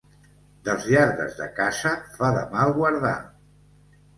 Dels lladres de casa fa de mal guardar.